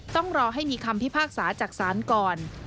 ต้องรอให้มีคำพิพากษาจากศาลก่อน